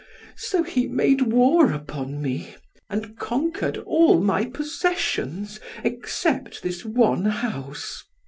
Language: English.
So he made war upon me, and conquered all my possessions except this one house.